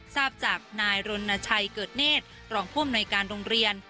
ทราบจากนายรณชัยเกิดเนธรองผู้อำนวยการโรงเรียน